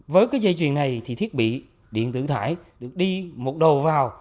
với cái dây chuyền này thì thiết bị điện tử thải được đi một đầu vào